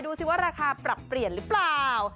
ดูสิว่าราคาปรับเปลี่ยนหรือเปล่า